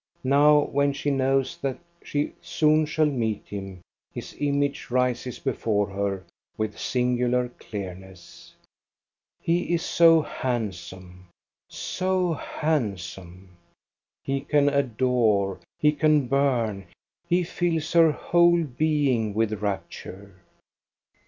Now, when she knows that she soon shall meet him his image rises before her with singular clearness. He is so handsome, so handsome ! He can adore, he can burn, he fills her whole being with rapture.